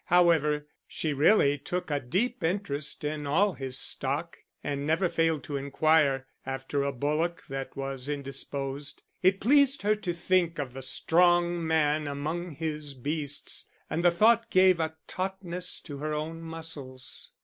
However, she really took a deep interest in all his stock, and never failed to inquire after a bullock that was indisposed; it pleased her to think of the strong man among his beasts, and the thought gave a tautness to her own muscles.